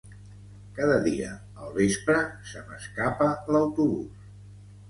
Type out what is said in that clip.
Cada dia al vespre se m'escapa l'autobús.